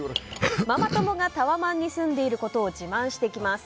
ママ友がタワマンに住んでいることを自慢してきます。